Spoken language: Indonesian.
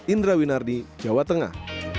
indra winardi jawa tengah